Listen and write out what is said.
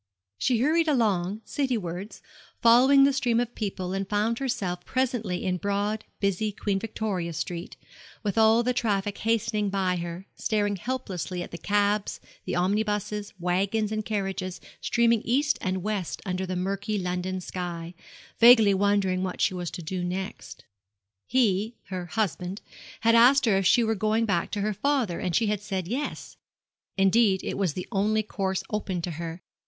She hurried along, citywards, following the stream of people, and found herself presently in broad, busy Queen Victoria Street, with all the traffic hastening by her, staring helplessly at the cabs, and omnibuses, waggons, carriages streaming east and west under the murky London sky, vaguely wondering what she was to do next. He her husband had asked her if she were going back to her father, and she had said 'Yes.' Indeed it was the only course open to her.